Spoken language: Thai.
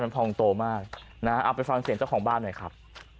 เอาไปฟังเสียงเจ้าของบ้านหน่อยครับ